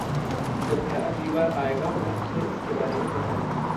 जब वह अगली बार आएगा, मैं उसे इसके बारे में बाताऊँगी।